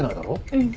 うん。